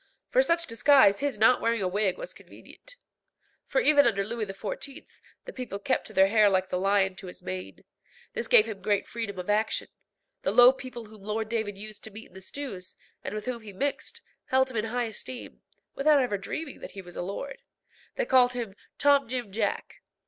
For such disguise his not wearing a wig was convenient; for even under Louis XIV. the people kept to their hair like the lion to his mane. This gave him great freedom of action. The low people whom Lord David used to meet in the stews, and with whom he mixed, held him in high esteem, without ever dreaming that he was a lord. They called him Tom Jim Jack.